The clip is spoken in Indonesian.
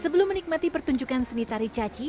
sebelum menikmati pertunjukan seni tari caci